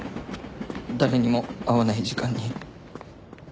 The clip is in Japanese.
誰にも会わない時間に。